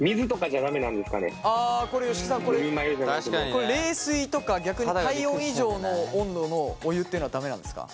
これ冷水とか逆に体温以上の温度のお湯っていうのは駄目なんですか？